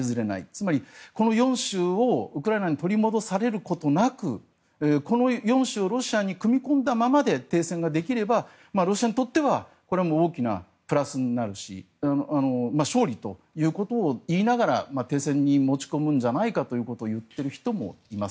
つまり、この４州をウクライナに取り戻されることなくこの４州をロシアに組み込んだままで停戦ができればロシアにとってはこれは大きなプラスになるし勝利ということを言いながら停戦に持ち込むんじゃないかということを言っている人もいます。